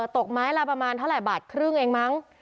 ตกไม้ละประมาณเท่าไหร่บาทครึ่งเองมั้ง